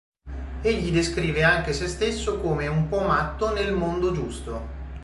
Egli descrive anche se stesso come un po' matto "nel modo giusto".